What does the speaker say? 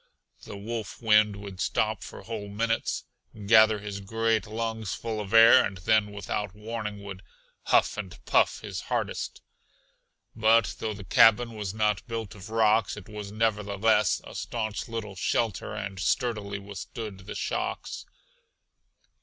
The wolf wind would stop for whole minutes, gather his great lungs full of air and then without warning would "huff and puff" his hardest. But though the cabin was not built of rocks, it was nevertheless a staunch little shelter and sturdily withstood the shocks.